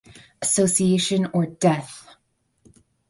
Association or death!